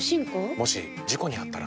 もし事故にあったら？